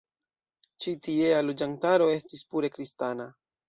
Ĉi tiea loĝantaro estis pure kristana.